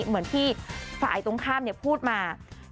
เหมือนที่ฝ่ายตรงข้ามพูดมา